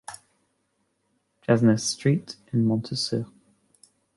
Gesnes Street, in Montsûrs